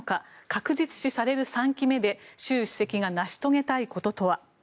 確実視される３期目で習主席が成し遂げたいこととは。